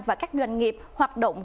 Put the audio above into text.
và các doanh nghiệp hoạt động